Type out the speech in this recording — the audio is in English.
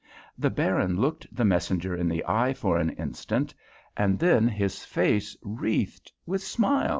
The Baron looked the messenger in the eye for an instant, and then his face wreathed with smiles.